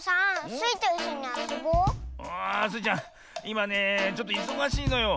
いまねちょっといそがしいのよ。